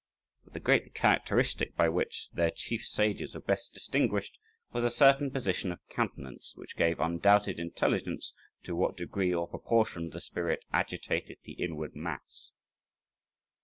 But the great characteristic by which their chief sages were best distinguished was a certain position of countenance, which gave undoubted intelligence to what degree or proportion the spirit agitated the inward mass.